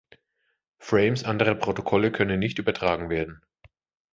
Frames anderer Protokolle können nicht übertragen werden.